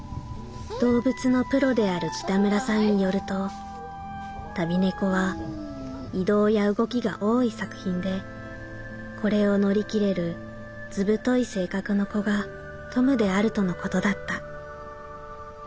「動物のプロである北村さんによると『旅猫』は移動や動きが多い作品でこれを乗り切れる『図太い』性格の子がトムであるとのことだった」。